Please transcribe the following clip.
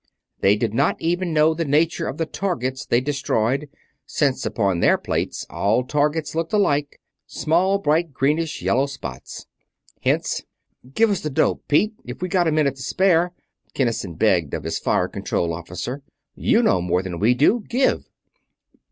They did not even know the nature of the targets they destroyed, since upon their plates all targets looked alike small, bright, greenish yellow spots. Hence: "Give us the dope, Pete, if we've got a minute to spare," Kinnison begged of his Fire Control Officer. "You know more than we do give!"